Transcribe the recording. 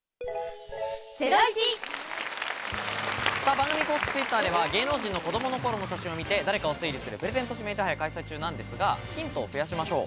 番組公式Ｔｗｉｔｔｅｒでは芸能人の子供の頃の写真を見て誰なのかを推理するプレゼント指名手配を開催中なんですがヒントを増やしましょう。